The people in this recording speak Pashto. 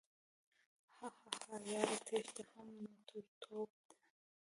هههههه یاره تیښته هم نرتوب ده